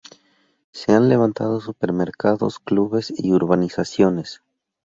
Se han levantado supermercados, clubes y urbanizaciones.